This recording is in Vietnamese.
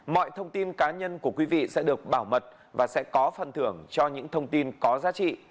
mọi thông tin cá nhân của quý vị sẽ được bảo mật và sẽ có phần thưởng cho những thông tin có giá trị